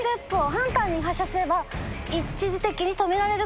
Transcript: ハンターに発射すれば一時的に止められる。